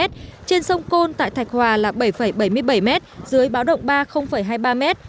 trên sông côn tại thạch hòa là bảy bảy mươi bảy m dưới báo động ba hai mươi ba m